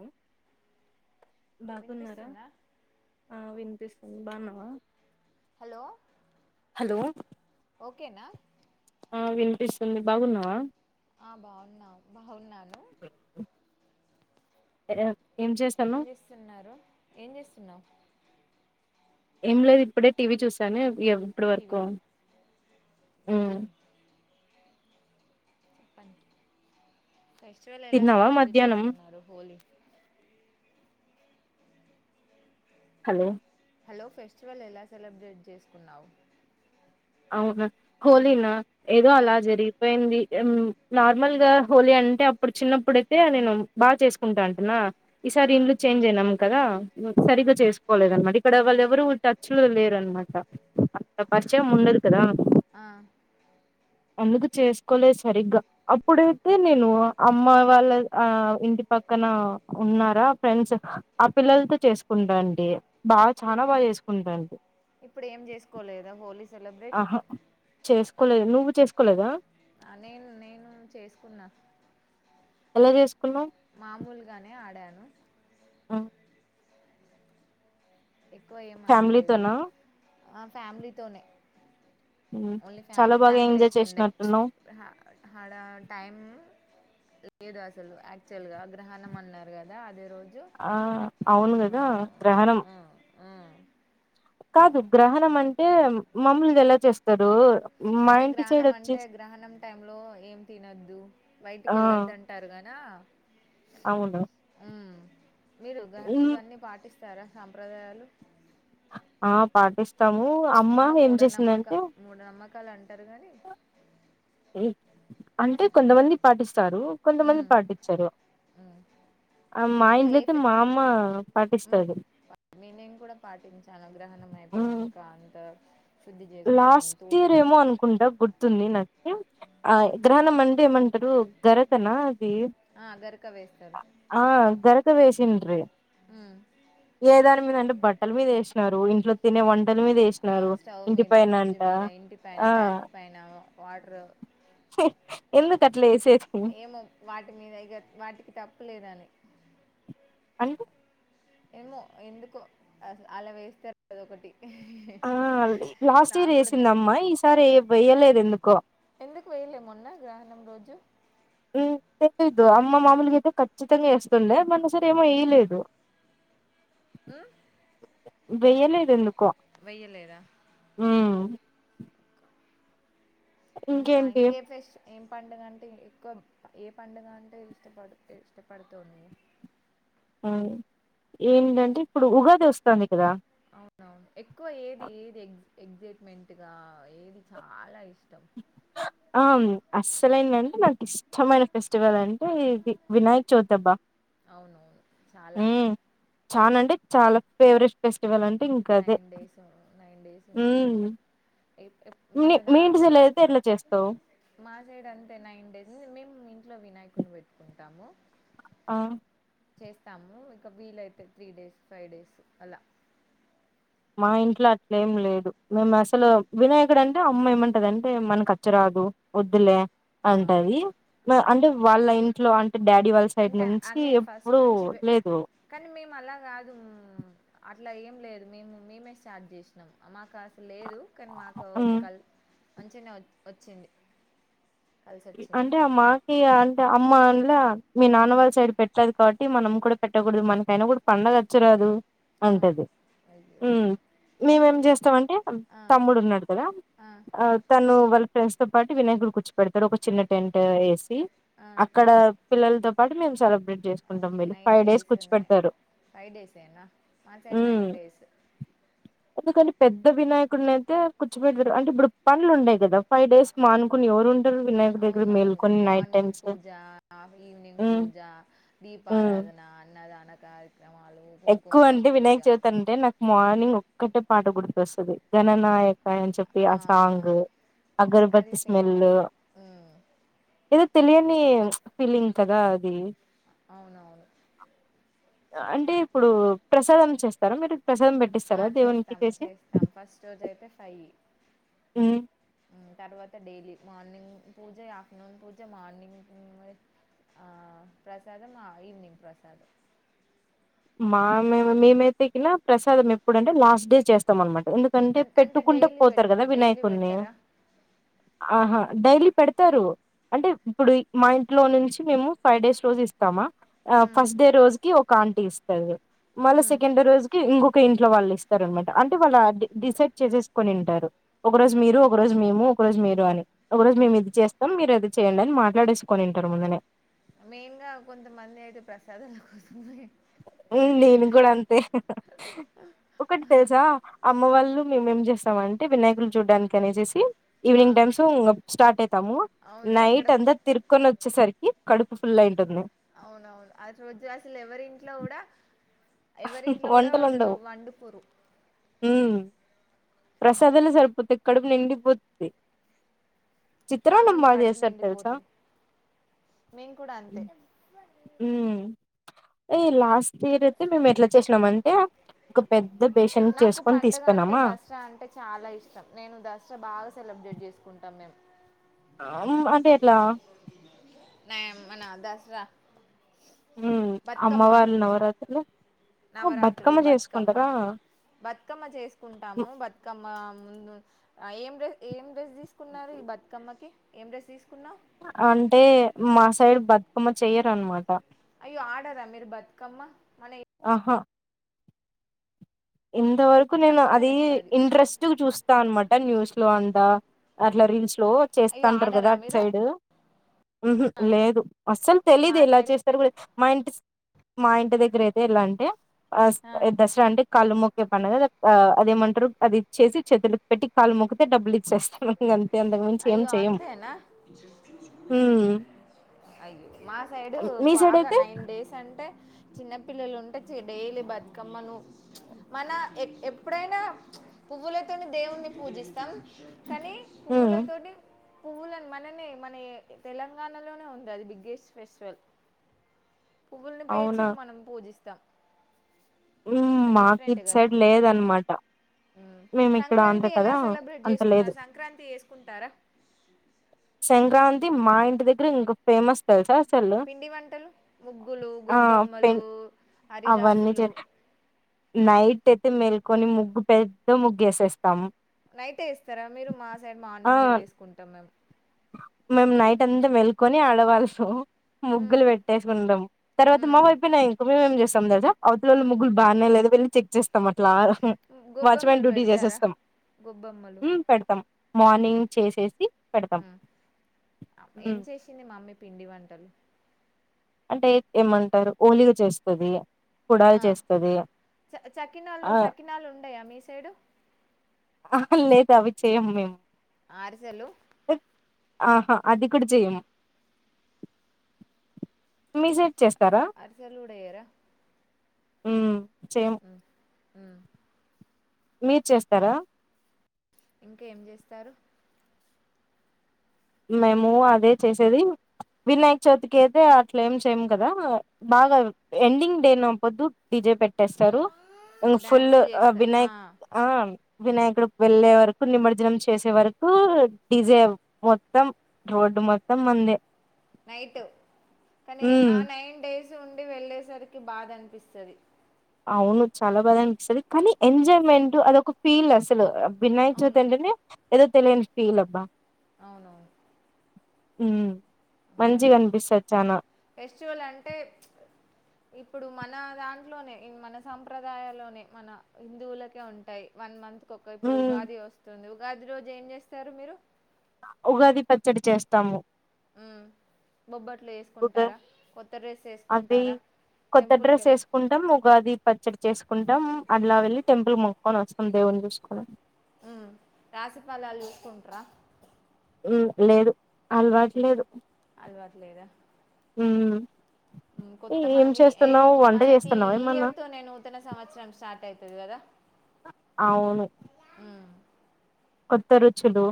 అ బాగున్నారా వినిపిస్తుందా ఉ బావున్నావా హలో ఓకేనా ఆ వినిపిస్తుంది బాగున్నావా ఆ బాగున్నా బాగున్నాను ఏ- ఏం చేస్తాన్నావ్ చేస్తున్నారు ఏం చేస్తున్నావు ఏం లేదు ఇప్పుడే టీవీ చూసాను ఎప్పుడ్రు టీవీ వరుకు చూ మ్మ్. చెప్పండి ఫెస్టివల్ ఎలా తిన్నావా సెలబ్రేట్ మధ్యాహ్నం చేసుకున్నారు హోలీ హలో హలో ఫెస్టివల్ ఎలా సెలబ్రేట్ చేసుకున్నావు అవునా హోలీన ఏదో ఆ అలా జరిగిపోయింది నార్మల్ గా హోలీ అంటే అప్పుడు చిన్నప్పుడు అయితే నేను బాగా చేసుకుంటా ఉంటినా ఈసారి ఆ ఇల్లు చేంజ్ అయినాం కదా ఆ సరిగ్గా చేసుకోలేదన్నమాట ఇక్కడ వాళ్ళు ఎవరు టచ్ లో లేరునమాట అంతా ఐ- పరిచయం ఉండదు ఇక్కడ ఆ అందుకు చేసుకోలేదు సరిగ్గా అప్పుడైతే నేను అమ్మ వాళ్ళ ఆ ఇంటి పక్కన ఉన్నారా ఫ్రెండ్స్ ఆ పిల్లలతో చేసుకుంటాంటి బాగా చానా ఇప్పు బాగా చేసుకుంటాంటి ఇప్పుడు ఏం చేసుకోలేదా హోలీ సెలబ్రేట్ హ చేసుకోలేదు నువ్వు చేసుకోలేదా ఆ నేను నేను చేసుకున్నా ఎలా చేసుకున్నావ్ మామూలుగానే ఆడాను ఆ ఎక్కువ ఏం ఆడలేదు ఫ్యామిలీతోనా ఆ ఫ్యామిలీతోనే హ్మ్. ఓన్లీ చాలా ఫ్యామిలీ బాగా టైం ఎంజాయ్ లేకుండే చేసినట్టున్నావ్ హడా టైం లేదు అసలు యాక్చువల్ గా గ్రహణం అన్నారు కదా అదే రోజు ఆ అవును కదా గ్రహణం కాదు గ్రహణం అంటే మామూలుగాఎలా చేస్తారు మా అంటే ఇంటి సైడ్ గ్రహణం అంటే వచ్చేసి గ్రహణం టైమ్ లో ఏం తినొద్దు బయటికి ఆ వెళ్ళొదు అంటారు కదా అవును మీరు హ్మ్. ఇవన్నీ పాటిస్త స్తారా సాంప్రదాయాలు ఆ పాటిస్ ఏమో మూఢనమ్మక మూఢనమ్మకాలు అంటారు గాని ఈ అంటే కొంతమంది పాటిస్ స్తారు కొంతమంది పాటించారు మా ఇంకా ఇంట్లో ఏ అయితే ఫె మా అమ్మ పాటిస్తారు నే నేను కూడా పాటించాను గ్రహణం మ్మ్ అయిపోయినాక అంత శుద్ధి చేసుకోవడం లాస్ట్ ఇయర్ తూడవడం ఏమో అనుకుంటా గుర్తుంది నాకు ఆ మ్మ్ గ్రహణం అంటే ఏమంటారు గరకనా ది ఆ గరక వేస్తారు ఆ గరక్ క వేసిండ్రి మ్మ్ ఏదని మీదన్న బట్టల మీద వేసిన్నారు ఇంట్లో తినే వన్ ట్టల మీద ఆ వేసినారు స్టవ్ ఇంటి మీద పైన ఫ్రిడ్జ్ అంట మీద ఇంటి పైన ఆ ట్యాంక్ పైన వాటర్ ఎందుకు అట్లా వేసేది ఏమో వాటి మీద ఇక వాటికి తప్పు లేదని అంట ఏమో ఎందుకో అ అలా వేస్తారుదొ ఒకటి ఆ లాస్ట్ ఇయర్ కూడా ద వేసింద అమ్మా ఈసారియ ఎందుకో ఎందుకు వేయలే మొన్న గ్రహణం రోజు తెలిదు అమ్మ మామూలుగా అయితే ఖచ్చితంగా వేస్తుండే మన సర ఏమో వయలేదు ఆ వెయ్యలే ఇదందుకు కో వెయ్యలేదా ఇంకా ఇంకేంటి ఇంకే పేస్ట్ ఏం పండుగ అంటే ఎక్కువ ఏ పండుగ అంటే ఇష్టపడు ఇష్టపడుతుంది ఏమిటంటే ఇప్పుడు ఉగాది వస్తుంది అవునవును ఎక్కువ ఏది ఏది ఎ ఎక్సైట్మెంట్ ఏది చాలా ఇష్టం ఆ అసలైందంటే నాకు ఇష్టమైన ఫెస్టివల్ అండి అంటే వినాయకచవితి అవునవును చాలా అబాచానండి చాల favourite place nine days nine days హ్మ్ ఉంచుతరు మన మీ దా మీ ఇంటి లో సైడ్ అయితే ఎట్లా చేస్తావు మా సైడ్ అంతే నైన్ డేస్ ఇంట్లో వినాయకుని పెట్టుకుంటాము ఆ చేస్తాము ఇక వీలైతే త్రీ డేస్ ఫైవ్ డేస్ అలా మా ఇంట్లో అట్లే ఏం లేదు మేము అసలు వినాయకుడు అంటే అమ్మ ఏమంటుంది అంటే మనకు అచ్చిరాదు వద్దులే ఆ, అంటది ఆ. అంటే వాళ్ళ ఇంట్లో అంటే డాడీ వాళ్ళ సైడ్ అంటే నుంచి అదే ఫస్ట్ ఎప్పుడు నుంచి లేదు కానీ మేము అలా కాదు అట్లా ఏం లేదు మేము మేమే స్టార్ట చేసినాం మాకు అసలు లేదు న్ మా ఓకే హ్మ్. క మంచినే వచ్చింది కలిసి వచ్చింది అంటే ఆ మాకి అమ్మానె మీ ఉమ్ నాన్నవాారి సైడ్ పెట్టలేదు కాబట్టి టి మనం కూడా పెట్టకూడదు మనకైనా కూడా పండగచ్చరాదు ఆ అంటది అయ్యో కానీ మేమేం చేస్తామంటే ఆ తమ్ముడు ఉన్నాడు కదా ఆ తను వళ ఫ్రెండ్స్ తో పాటు వినాయకుని కూర్చోబెడతా ఇక్కడ ఒక చిన్న టెంట్ వేస ఆ అక్కడ పిల్లలతో వాడు మేము చాల చేా అవును నైన్ ఫైవ్ డేస్ కూర్చ ఉన్నాయి పెట్టారు ఫైవ్ డేసేనా మా సైడ్ నైన్ డేస్ ఎందుకంటే పెద్ద వినాయకుడిని అయితే కూర్చోపెట్ట అంటే ఇప్పుడు పండ్లు ఉన్నాయి కదా ఫైవ్ డేస్ మా అనుకుని ఎవరు వినాయకుడి దగ్గర అవునవును మేల్కొని నైట్ మార్నింగ్ టైమ్స్ పూజ అ ఈవినింగ్ ఉమ్ పూజ ఉమ్ దీపారాధన అన్నదానం కా ఎక్కువ అంటే వినాయక చవితి అంటే నాకు మార్నింగ్ ఒక్కట్టే పాట గుర్తొస్తుంది జననాయక్ చెప్పి ఆ అసాంగ్ అగర్బత్ అది స్మెల్ ఫేమస్ ఉమ్ ఇది తెలియని ఫీలింగ్ కదా అది అవునవును అంటే ఇప్పుడు ప్రసాదం చేస్తార మీరు ప్రసాదం ఆ పెట్టిస్తారా దేవునికి చేస్తాం చేసి చేస్తాం ఫస్ట్ రోజ అయితే ఫైవ్ హ్మ్ తర్వాత డైలీ మార్నింగ్ పూజ ఆఫ్టర్నూన్ పూజ మార్నింగ్ ఆ ప్రసాదం ఈవనింగ్ ప్రసాదం మా మేమతేకిన ప్రసాదం ఎప్పుడంటే లాస్ట్ డే చేస్తాం అనమాట ఎందుకంటే అం అంటే పెట్టుకుంటే డైలీ పోతారు పెట్ కదా డైలీ వినాయకుని పెట్టారా ఆహా డైలీ పెడతారు అంటే ఇప్పుడు మా ఇంట్లో నుంచి మేము ఫైవ్ డేస్ రోజు ఇస్తామా ఆ ఉమ్ ఫస్ట్ డే రోజుకి ఒక కాంటిస్ సరే మళ్ళీ ఉమ్ సెకండ్ డే రోజుకి ఇంకొక ఇంట్లో వాళ్ళ ఇస్ స్తారన్నమాట అంటే వాళ్ళ డిసైడ్ చేసేసుకొనింటారు ఒక రోజు ఉమ్ మీరు ఒక రోజు మేము రోజు మీరు అని ఒకరోజు మేం ఉమ్ ఇది చేస్తాం మీరు అది చేయండి అని మాట్లాడేసుకుొనింటారు ముందునే మెయిన్ గా కొంతమంది అయితే ప్రసాదాల కోసం హు నేను కూడా అంతే ఒకటి తెలుసా అమ్మ వాళ్ళు మేం ఏంచేస్తామంటే వినాయకులు చూడ్డానికి అనేసేసి ఆ ఈవినింగ్ టైమ్స్ స్టార్ట్ అవుతాము అవును ఎక్కడ నైట్ అంతా తిరుకొని వచ్చేసరికి ఈ కడుపు ఫుల్లయింటుంది అవునవును అ రోజ్ అసలు ఎవరింట్లో కూడా ఎవరింట్లో కూడా అసలు వండుకోరు హు ప్రసాదాలు సరిపోతాయి కడుపు నిండిపోద్ధి కావును కడుపు నిండిపోతుంది మేం కూడా అంతే ఉమ్ ఏ లాస్ట్ ఇయర్ మేము ఎట్లా చేసినామంటే ఒక పెద్ద బేషన్ నాకు చేసుకొని పండుగ అంటే తీసిపోయినామా దసరా అంటే చాలా ఇష్టం నేను దసరా బాగా సెలబ్రేట్ చేసుకుంటాం మేము ఆ ఆటేట్ల నా మన దసరా ఉమ్.. అమ్మ బతుకమ్మ వారి నవరాత్రులు ఆ, నవరాత్రులు బతుకమ్మ చేసుకుంటారా బతుకమ్మ చేసుకుంటాము బతుకమ్మ ముందు అ.. ఏం డ్రెస్ ఏం డ్రెస్ తీసుకున్నారు ఈ బతుకమ్మకి ఏం డ్రెస్ తీసుకున్నా అంటే మా సైడ్ బతుకమ్మ చెయ్యరన్న మాట అయ్యో ఆడరా మీరు బతుకమ్మ మన ఆహా ఇంత వరకు నేను ఏమైనా అది ఫెస్ట్ ఇంట్రెస్ట్ గ చూస్తా అనమాట న్యూస్ లోఅంటా అట్లా రీల్స్ లో చేస్తా అయ్యో ఉంటారు కదా ఆడరా మీరు అటుసైడ్ ఉ హుమ్మ్..... లేదు అస్సలు మా తెలీదె ఎలా సైడ్ చేస్తారు కూడా మా ఇంటి మా ఇంటి దగ్గర అయితే ఎలా అంటే [inaudible] దసరా అంటే కాళ్ళు మొక్కే పండుగ ద అదేమంటారు అది ఇచ్చేసి చేతులకి పెట్టి కాలు మొక్కితే డబ్బులు ఇచ్చేస్తాారు ఇంగంతె అయ్యో అంతేన అయ్యో మా సైడు మీ సైడ్ బాగ అయితే నైన్ డేస్ అంటే చిన్న పిల్లలు ఉంటే డైలీ బతుకమ్మను ప్చ్ మన ఎ ఎప్పుడైనా ప్చ్ పువ్వులతోని దేవున్ని పూజిస్తాం కానీ ఉమ్, పువ్వులతో పువ్వులని మనమే మన తెలంగాణలోనే ఉంటాది బిగ్గెస్ట్ ఫెస్టివల్ పువ్వులని పేర్చి అవునా మనం పూజిస్ చ ఉమ్, మాకు డిఫరెంట్ ఇటు గద సైడ్ లేదనమాట మేము ఇక్కడ అంత సంక్రాంతి ఎలా కదా సెలబ్రేట్ చేసుకున్న సంక్రాంతిచెసుకు సంక్రా తి మా ఇంటి దగ్గర ఇంకా ఫేమస్ తెలుస పిండి వంటలు ముగ్గులు ఆ గొబ్బమ్మలు పెన్ అవన్నీ చే హరిదాసులు నైట్ అయితే మెల్కొని ముగ్గు పేద్ద ముగ్గు ఎసేస్ నైటే వేస్తారా మీరు మా సైడ్ ఆ మార్నింగే వేసుకుంటాం మేము ఏం అల్లా వైఫ్ మ్మ్ ముగ్గులు పెట్టేసుకుంటాం తర్వాత మ్మ్ మావైపోయ్యనుకో మేమ్ చేస్తాం తెలుసా అవతలోళ్ళ మ్మ్ ముగ్గులు బానేలెవ్ నువ్ వెళ్లి చెక్చేస్తామ ట్లాగ హ్మ్ వాచ్ మెన్ గొబ్బెమ్మలు డ్యూటీ పెడతారా చేసేస్తాం. గొబ్బెమ్మలు మ్ పెడతాం మ్మ్ మార్నింగ్ చేసేసి పెడతాం మ్మ్ మ్ ట్టలు అంటే ఏమంటారు ఓలియో చేస్తాది ఆ చ చకినాలు ఆ సకినాలు ఉండాయా మీ సైడు అహా లేదు అవి చేయము మేము అరిసెలు ఆహా అది కూడా చేయము మీ సైడ్ చేస్తారా అరిసెలు కూడా వెయ్యరా హ్మ్ చేయము మ్ హ్మ్ మీర్ చేస్తారా ఇంకేం చేస్తారు మేము అదే చేసేది వినాయక చవితికి అయితే అట్లా ఏం చేయము కదా బాగా ఎండింగ్ డేనొపొద్దు డిజే పెట్టేస్తారు ఇం ఫుల్ డ్యాన్సులు చేస్తారు ఆ వినాయక్ ఆ వినాయకుడు వెళ్ళే వరకు నిమజ్జనం చేసే వరకు డి జే మో త్తం రోడ్డు మొత్తం మందే నైట్ కానీ ఆ హ్మ్ నైన్ డేస్ సు ఉండి వెళ్ళేసరికి బాధ అనిపిస్తది అవును చాలా బాద అనిపిస్తది కానీ ఎంజాయ్మెంట్ అదొక ఫీల్ అసలు వినాయచవతి అవును అంటే నే ఏదో తెలియని ఫీల్ అబ్బా అవునవును ఉమ్ మంచిగా అనిపిస్తాది ఫెస్టివల్ అంటే ఇప్పుడు మన దాంట్లోనే మన సంప్రదాయలోనే మన హిందువులకే ఉంటాయి వన్ మంత్ ఒకే ఇప్పుడు హ్మ్ ఉగాది వస్తుంది ఉగాది రోజు ఏం చేస్తారు మీరు ఉగాది పచ్చడి చేస్తాము బొబ్బట్లు ఉగా చేసుకుంటారా కొత్త రడ్రెస్ అది వేసుకుంటారా కొత్త టెంపుల్కి డ్రెస్ ఏసుకుంటాం ఉగాది పచ్చడి చేసుకుంటాం అట్లా వెళ్ళి టెంపుల్ మొక్కకొని వస్తాం దేవుని చూసుకొని రాసిఫలాలు చూసుకుంటర హమ్ లేదు చూ అలవాట్లేదు అలవాటులేదా హమ్ కొత్త మనం ఈ మనకి చేస్తున్నావా ఈ ఏమన్నా ఇయర్ తో నే నూతన సంవత్సరం స్టార్ట్ అయితాది అది కదా అవును మ్మ్ కొత్త రుచులు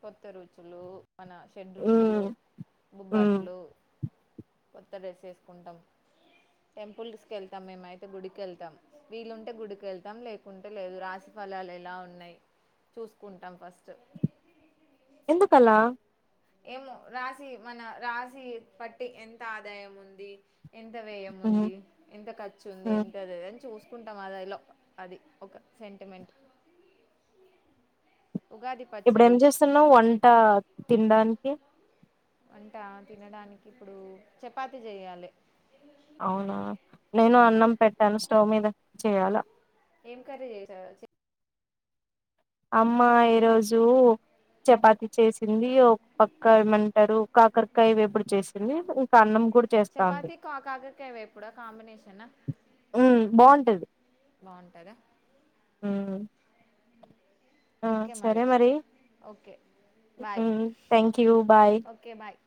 కొత్త రుచులు మన షెడ్ హ్మ్ రుచులు హ్మ్ బొబ్బట్లు కొత్త డ్రెస్ వేసుకుంటాం టెంపుల్స్కి వెళ్తాం మేమైతే గుడికి వెళ్తాం వీలుంటే గుడికి వెళ్తాం లేకుంటే లేదు రాశి ఫలాలు ఎలా ఉన్నాయి చూసుకుంటాం ఫస్ట్ ఎందుకలా ఏమో రాశి మన రాశి పట్టి ఎంత ఆదాయం ఉంది ఎంత వ్యయం హ్మ్ ఉంది ఎంత ఖర్చుంది హ్మ్ ఎంత అని చూస్త కుంటాం అది లో అది ఒక సెంటిమెంట్ ఉగాది ఇప్పుడు ఏం పచ్చడి చేస్తున్నా వంట తినడానికి ఓకే అంటా తినడానికి ఇప్పుడు చపాతి చేయాలి అవునా నేను అన్నం పెట్టాను స్టవ్ మీద చెయ్యాలా ఏం కర్రీ చేసారు అమ్మ ఈ రోజు చపాతి చేసింది ఒక పక్క ఏమంటారు కాకరకాయ వేపుడు చేసింది ఇంకా అన్నం కూడా చేస్తాంది చపాతి కా కాకరకాయ వేపుడు ఆ కాంబినేషన్ బాగుంటది బాగుంటుందా ఉ ఓకే మరి okay bye thank you bye okay bye